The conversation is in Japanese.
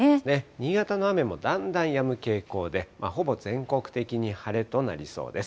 新潟の雨もだんだんやむ傾向で、ほぼ全国的に晴れとなりそうです。